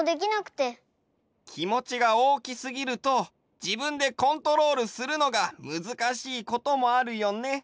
きもちがおおきすぎるとじぶんでコントロールするのがむずかしいこともあるよね。